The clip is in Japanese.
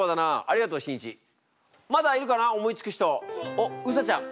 おっうさちゃん。